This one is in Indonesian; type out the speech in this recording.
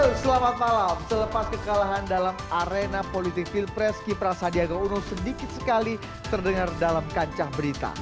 halo selamat malam selepas kekalahan dalam arena politik pilpres kipra sandiaga uno sedikit sekali terdengar dalam kancah berita